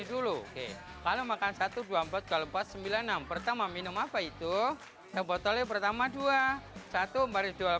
dulu kalau makan dua belas ribu empat ratus empat puluh enam pertama minum apa itu yang botolnya pertama dua puluh satu ribu empat ratus delapan belas satunya minum apa